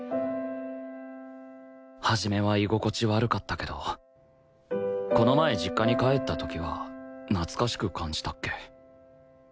初めは居心地悪かったけどこの前実家に帰った時は懐かしく感じたっけ